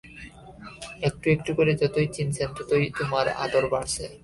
একটু একটু করে যতই চিনছেন ততই তোমার আদর বাড়ছে।